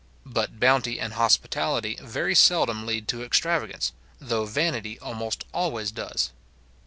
But bounty and hospitality very seldom lead to extravagance; though vanity almost always does.